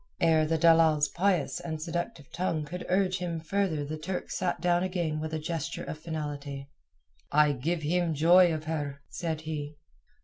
Ere the dalal's pious and seductive tongue could urge him further the Turk sat down again with a gesture of finality. "I give him joy of her," said he.